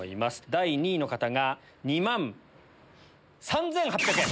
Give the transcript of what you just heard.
第２位の方が２万３８００円。